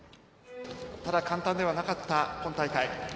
簡単ではなかった今大会。